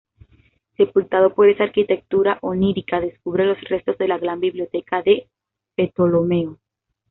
Sepultado por esa arquitectura onírica descubre los restos de la Gran Biblioteca de Ptolomeo.